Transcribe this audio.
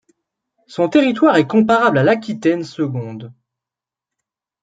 Son territoire est comparable à l'Aquitaine seconde.